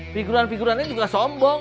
figuran figurannya juga sombong